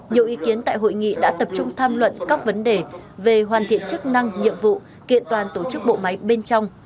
nhiều ý kiến tại hội nghị đã tập trung tham luận các vấn đề về hoàn thiện chức năng nhiệm vụ kiện toàn tổ chức bộ máy bên trong